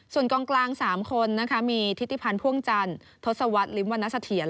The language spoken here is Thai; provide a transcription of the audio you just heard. ส่วนกองกลาง๓คนนะคะมีทิติพันธ์พ่วงจันทร์ทศวรรษริมวรรณเสถียร